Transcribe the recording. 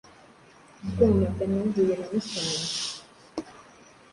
Rwamagana, Huye na Musanze.